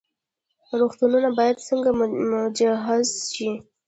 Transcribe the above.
روغتونونه باید څنګه مجهز شي؟